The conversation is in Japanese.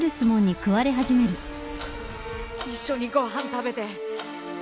一緒にご飯食べて。